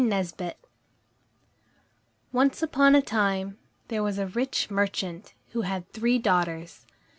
NESBIT Once upon a time there was a rich merchant, who had three daughters.